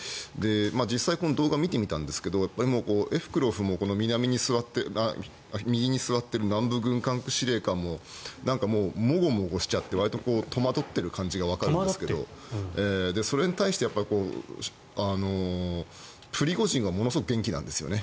実際、動画を見てみたんですがこの右に座っている南部軍管区司令官ももごもごしちゃってわりと戸惑っている感じがわかるんですけどそれに対してプリゴジンがものすごく元気なんですよね。